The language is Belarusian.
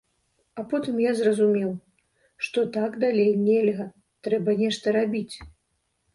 А потым я зразумеў, што так далей нельга, трэба нешта рабіць.